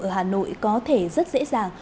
ở hà nội có thể rất dễ dàng